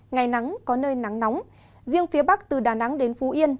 ngày nắng có nơi nắng nóng riêng phía bắc từ đà nẵng đến phú yên